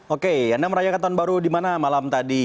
oke anda merayakan tahun baru di mana malam tadi